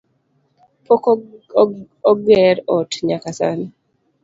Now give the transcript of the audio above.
Pok oger ot nyaka sani